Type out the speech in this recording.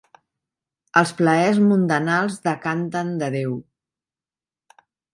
Els plaers mundanals decanten de Déu.